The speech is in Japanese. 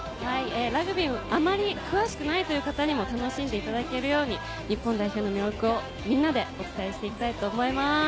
ラグビーをあまり詳しくないという方にも楽しんでいただけるように、日本代表の魅力をみんなでお伝えしていきたいと思います。